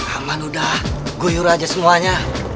aman udah gue yur aja semuanya